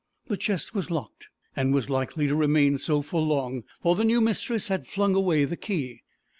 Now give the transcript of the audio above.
The chest was locked, and was likely to remain so for long, for the new mistress had flung away the key.